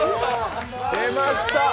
出ました！